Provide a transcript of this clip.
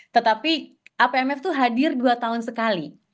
tetapi apmf itu hadir dua tahun sekali